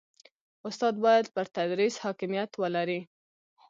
استاد باید پر تدریس حاکمیت ولري.